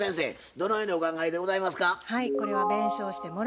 どのようにお考えでございますか？